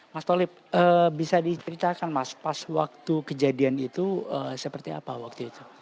mas tolip bisa diceritakan mas pas waktu kejadian itu seperti apa waktu itu